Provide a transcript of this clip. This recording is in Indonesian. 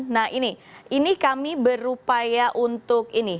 nah ini ini kami berupaya untuk ini